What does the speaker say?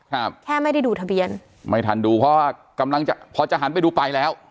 ครับแค่ไม่ได้ดูทะเบียนไม่ทันดูเพราะว่ากำลังจะพอจะหันไปดูไปแล้ว